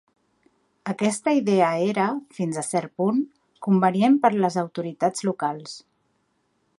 Aquesta idea era, fins a cert punt, convenient per a les autoritats locals.